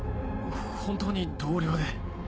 本当に同僚で。